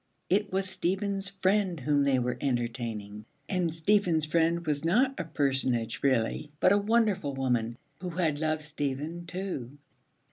It was Stephen's friend whom they were entertaining, and Stephen's friend was not a personage really, but a wonderful woman who had loved Stephen too.